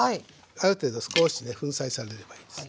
ある程度少しね粉砕されればいいです。